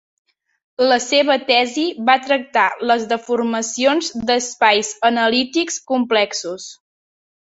La seva tesi va tractar les deformacions d'espais analítics complexos.